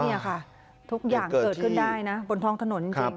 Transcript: นี่ค่ะทุกอย่างเกิดขึ้นได้นะบนท้องถนนจริง